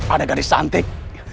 ada garis santik